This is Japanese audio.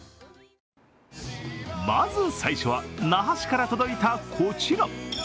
まず最初は那覇市から届いたこちら。